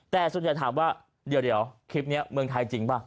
แต่ส่วนใหญ่ถามว่าเดี๋ยวคลิปนี้เมืองไทยจริงป่ะ